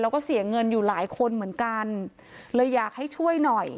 แล้วก็เสียเงินอยู่หลายคนเหมือนกันเลยอยากให้ช่วยหน่อย